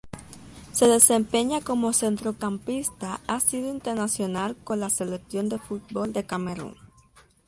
Se desempeña como centrocampista ha sido internacional con la selección de fútbol de Camerún.